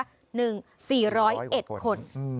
๑สี่ร้อยเอ็ดคน